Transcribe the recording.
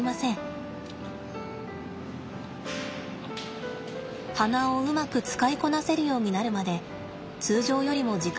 鼻をうまく使いこなせるようになるまで通常よりも時間がかかったといいます。